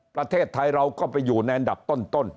ประเทศไทยเราก็ไปอยู่ในอันดับต้น